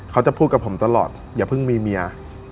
เขาจะพูดกับผมตลอดอย่าเพิ่งมีเมีย